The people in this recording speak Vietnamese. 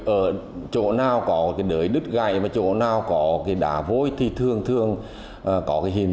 ở chỗ nào có cái nới đứt gài và chỗ nào có cái đá vôi thì thường thường có cái hình